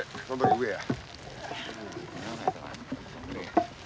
上や。